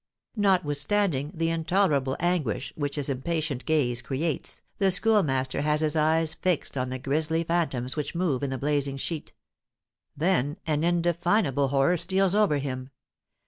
Notwithstanding the intolerable anguish which his impatient gaze creates, the Schoolmaster has his eyes fixed on the grisly phantoms which move in the blazing sheet. Then an indefinable horror steals over him.